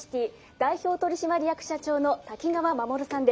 代表取締役社長の滝川守さんです。